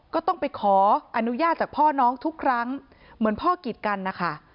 ก็ต้องไปขออนุญาตจากพ่อน้องทุกครั้งเหมือนพ่อกิดกันนะคะ